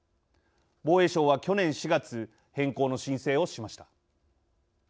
防衛省は去年４月変更の申請をしました。